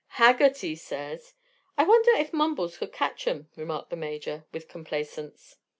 "Haggerty says " "I wonder if Mumbles could catch 'em," remarked the Major, with complacence.